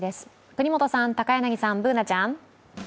國本さん、高柳さん、Ｂｏｏｎａちゃん。